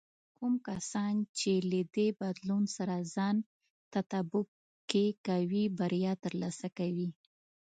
کوم کسان چې له دې بدلون سره ځان تطابق کې کوي، بریا ترلاسه کوي.